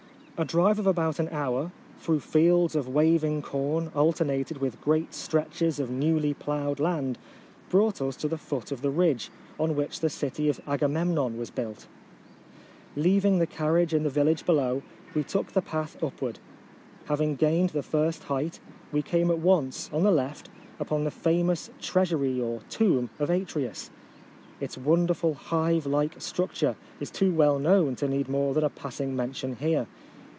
A drive of about an hour, through fields of waving corn alternated with great stretches of newly ploughed land, brought us to the foot of the ridge on which the city of Agamem non was built. Leaving the carriage in the vil lage below, we took the path up ward. Having gained the first height, we came at once, on the left, upon the famous Treasury or Tomb of Atreus. Its wonderful hive like structure is too well known to need more than a passing mention here.